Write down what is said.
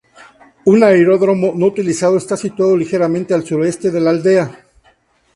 Un aeródromo no utilizado está situado ligeramente al sureste de la aldea.